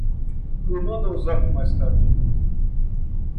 Me manda um zap mais tarde